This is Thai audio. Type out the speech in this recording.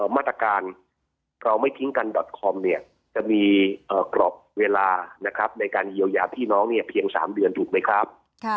มาตรการเราไม่ทิ้งกันดอตคอมเนี่ยจะมีกรอบเวลานะครับในการเยียวยาพี่น้องเนี่ยเพียง๓เดือนถูกไหมครับ